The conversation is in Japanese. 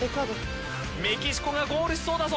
メキシコがゴールしそうだぞ。